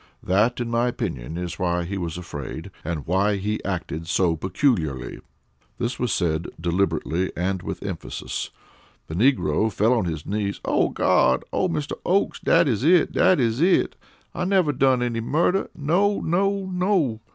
That, in my opinion, is why he was afraid, and why he acted so peculiarly." This was said deliberately, and with emphasis. The negro fell on his knees. "Oh, Gawd! Oh, Mr. Oakes! Dat is it. Dat is it. I never done any murder. No! no! _no!